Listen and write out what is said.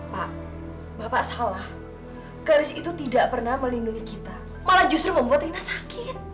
pak bapak salah garis itu tidak pernah melindungi kita malah justru membuat rina sakit